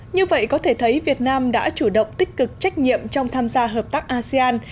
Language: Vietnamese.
như vậy có thể thấy việt nam đã chủ động tích cực trách nhiệm trong tham gia hợp tác asean